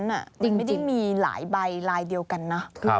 จริงไม่ได้มีหลายใบลายเดียวกันนะ